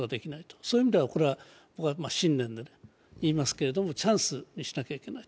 そういう意味では、これは新年で言いますけど、チャンスにしなきゃいけないと。